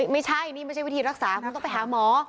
ไม่ใช่นี่ไม่ใช่วิธีรักษาคุณต้องไปหาหมอ